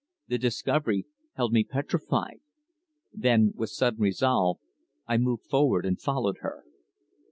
The discovery held me petrified. Then, with sudden resolve, I moved forward and followed her.